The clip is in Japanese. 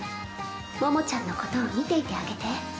桃ちゃんのことを見ていてあげて